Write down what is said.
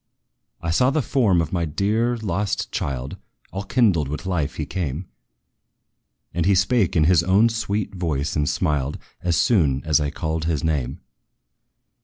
I saw the form of my dear, lost child! All kindled with life he came; And he spake in his own sweet voice, and smiled, As soon as I called his name.